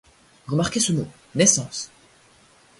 Remarquez ce mot: Naissance.